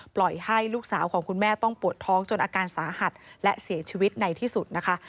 ปล่อยให้ลูกสาวของคุณแม่ต้องปวดท้องจนอาการสาหัสและเสียชีวิตในที่สุดนะคะ